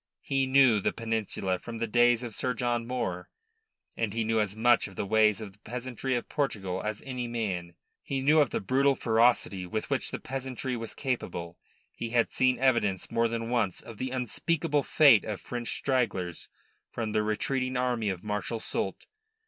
He knew the Peninsula from the days of Sir John Moore, and he knew as much of the ways of the peasantry of Portugal as any man. He knew of the brutal ferocity of which that peasantry was capable. He had seen evidence more than once of the unspeakable fate of French stragglers from the retreating army of Marshal Soult.